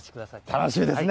楽しみですね。